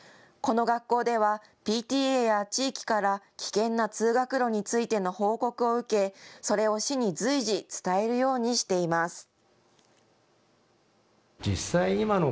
この学校ではＰＴＡや地域から危険な通学路についての報告を受け、それを市に随時、伝えるようにしています。